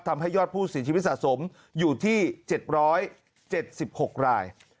ทำให้ยอดผู้เสียชีวิตสะสมอยู่ที่๗๗๖ราย